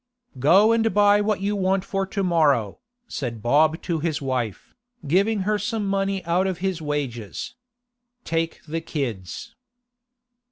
'Go and buy what you want for to morrow,' said Bob to his wife, giving her some money out of his wages. 'Take the kids.